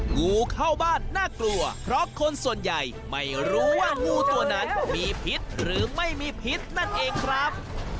งูเข้าบ้านน่ากลัวเพราะคนส่วนใหญ่ไม่รู้ว่างูตัวนั้นมีพิษหรือไม่มีพิษนั่นเองครับ